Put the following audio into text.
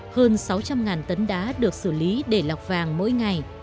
hơn sáu trăm linh tấn đá được xử lý để lọc vàng mỗi ngày